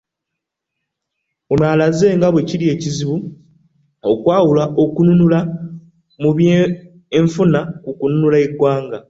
Ono alaze nga bwekiri ekizibu okwawula okwenunula mu by'enfuna ku kununula eggwanga